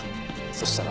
そしたら。